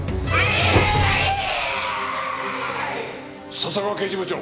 笹川刑事部長。